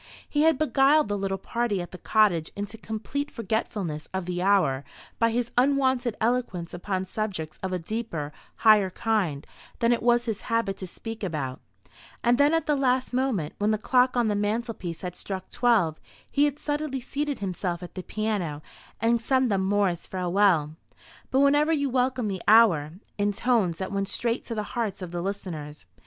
He had beguiled the little party at the cottage into complete forgetfulness of the hour by his unwonted eloquence upon subjects of a deeper, higher kind than it was his habit to speak about; and then at the last moment, when the clock on the mantelpiece had struck twelve, he had suddenly seated himself at the piano, and sung them Moore's "Farewell, but whenever you welcome the hour," in tones that went straight to the hearts of the listeners.